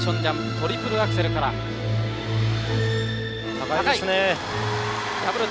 トリプルアクセルです。